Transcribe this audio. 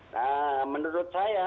nah menurut saya